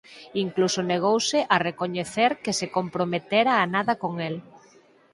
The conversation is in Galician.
Incluso negouse a recoñecer que se comprometera a nada con el.